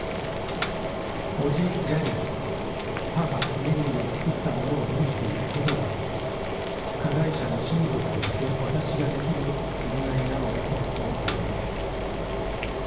おじ、ジャニー、母、メリーが作ったものを閉じていくことが、加害者の親族として私ができる償いなのだと思っております。